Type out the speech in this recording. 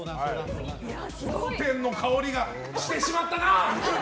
「笑点」の香りがしてしまったな！